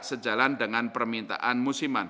sejalan dengan permintaan musiman